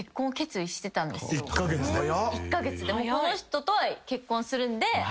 この人と結婚するんで。